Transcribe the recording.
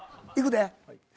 いくで。